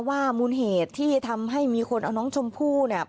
มูลเหตุที่ทำให้มีคนเอาน้องชมพู่เนี่ย